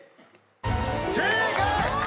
正解！